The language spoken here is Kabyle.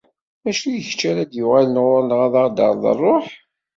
Mačči d kečč ara d-yuɣalen ɣur-neɣ, a aɣ-d-terreḍ ṛṛuḥ?